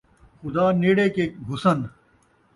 خدا نیڑے کہ گھسّن